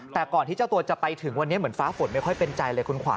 แต่ก่อนที่เจ้าตัวจะไปถึงวันนี้เหมือนฟ้าฝนไม่ค่อยเป็นใจเลยคุณขวา